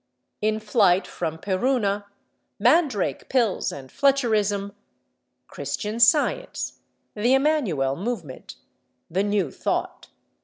In flight from Peruna, Mandrake Pills and Fletcherism—Christian Science, the Emmanuel Movement, the New Thought.